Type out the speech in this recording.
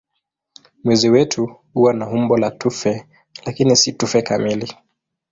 Mwezi wetu huwa na umbo la tufe lakini si tufe kamili.